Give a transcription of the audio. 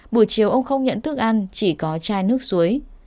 buổi chiều ông không nhận thức ăn chỉ có chai nước suối